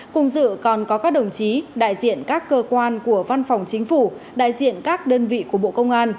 cùng dự còn có các đồng chí đại diện các cơ quan của văn phòng chính phủ đại diện các đơn vị của bộ công an